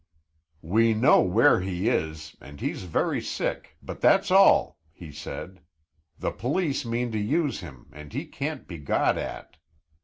"We know where he is and he's very sick, but that's all," he said. "The police mean to use him and he can't be got at."